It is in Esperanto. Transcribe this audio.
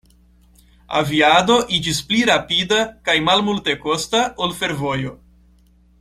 Aviado iĝis pli rapida kaj malmultekosta ol fervojo.